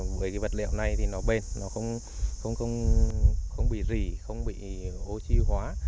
với cái vật liệu này thì nó bền nó không bị rỉ không bị oxy hóa